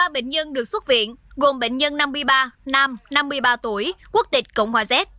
ba bệnh nhân được xuất viện gồm bệnh nhân năm mươi ba nam năm mươi ba tuổi quốc tịch cộng hòa z